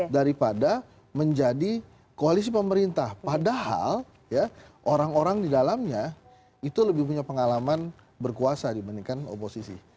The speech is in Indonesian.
daripada menjadi koalisi pemerintah padahal orang orang di dalamnya itu lebih punya pengalaman berkuasa dibandingkan oposisi